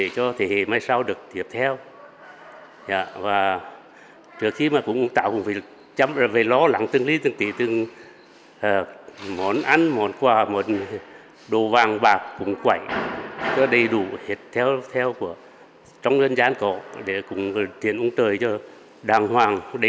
cùng đến sự buổi lễ cúng ông công ông táo với gia đình bác hòa